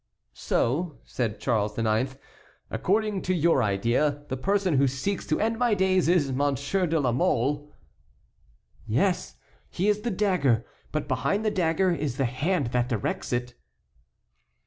'" "So," said Charles IX., "according to your idea, the person who seeks to end my days is Monsieur de la Mole?" "Yes, he is the dagger; but behind the dagger is the hand that directs it."